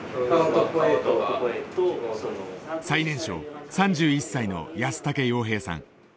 最年少３１歳の安竹洋平さん。